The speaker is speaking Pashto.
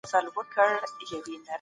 لږ خوب اعصاب اراموي.